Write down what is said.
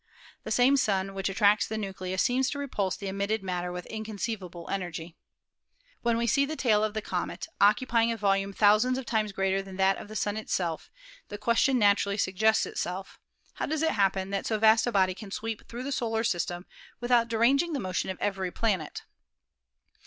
The same Sun which attracts the nucleus seems to repulse the emitted matter with inconceivable energy. . "When we see the tail of a comet occupying a volume COMETS, METEORS AND METEORITES 241 thousands of times greater than that of the Sun itself, the question naturally suggests itself: 'How does it hap pen that so vast a body can sweep through the solar system without deranging the motion of every planet?'